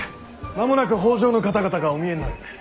間もなく北条の方々がお見えになる。